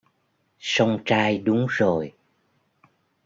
Song trai đúng rồi